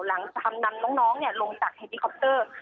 หลังจากนำน้องลงจากเฮลิคอปเตอร์